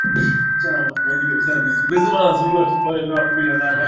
titanic haikupaswa kuendeshwa kwenye njia nyembamba